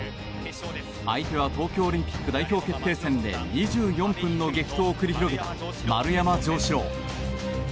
相手は東京オリンピック代表決定戦で２４分の激闘を繰り広げた丸山城志郎。